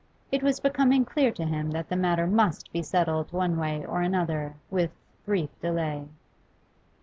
It was becoming clear to him that the matter must be settled one way or another with brief delay.